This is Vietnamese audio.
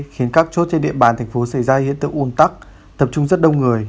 khiến các chốt trên địa bàn tp hcm xảy ra hiện tượng ôn tắc tập trung rất đông người